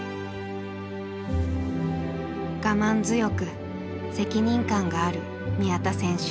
我慢強く責任感がある宮田選手。